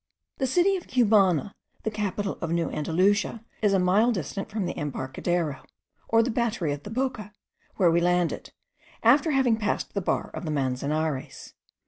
The city of Cumana, the capital of New Andalusia, is a mile distant from the embarcadero, or the battery of the Boca, where we landed, after having passed the bar of the Manzanares.